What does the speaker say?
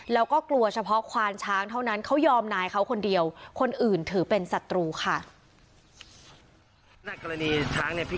แล้วก็กลัวเฉพาะควานช้างเท่านั้นเขายอมนายเขาคนเดียวคนอื่นถือเป็นศัตรูค่ะ